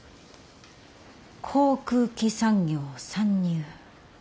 航空機産業参入。